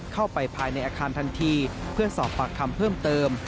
เข้าไปภายในอาคารทันทีเพื่อสอบปากคำเพิ่มเติม